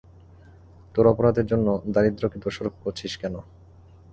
তোর অপরাধের জন্য দারিদ্রকে দোষারোপ করিছিস কেন?